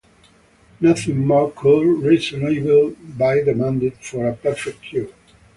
Nothing more could reasonably be demanded for a perfect cure.